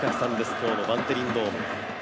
今日のバンテリンドーム。